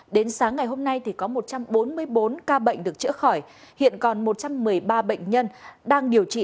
đến sáng ngày hôm nay thì có một trăm bốn mươi bốn ca bệnh được chữa khỏi hiện còn một trăm một mươi ba bệnh nhân đang điều trị